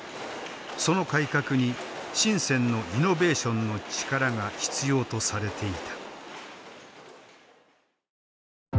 その改革に深のイノベーションの力が必要とされていた。